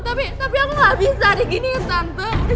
tapi aku gak bisa diginiin santu